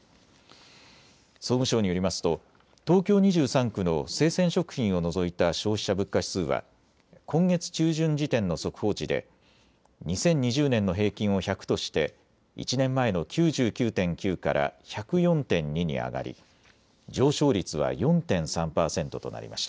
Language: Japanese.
総務省によりますと東京２３区の生鮮食品を除いた消費者物価指数は今月中旬時点の速報値で２０２０年の平均を１００として１年前の９９．９から１０４．２に上がり上昇率は４．３％となりました。